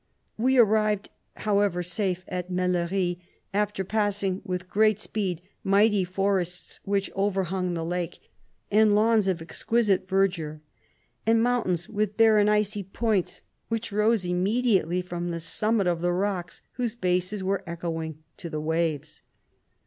We ar rived however safe at Mellerie, after passing with great speed mighty forests which overhung the lake, and lawns of exquisite verdure, and mountains with bare and icy points, which rose imme diately from the summit of the rocks, whose bases were echoing to the waves.